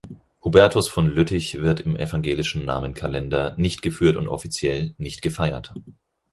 Hubertus von Lüttich wird im Evangelischen Namenkalender nicht geführt und offiziell nicht gefeiert.